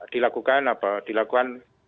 dilakukan apa dilakukan